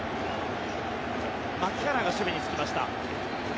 牧原が守備に就きました。